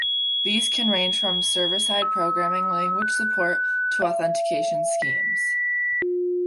These can range from server-side programming language support to authentication schemes.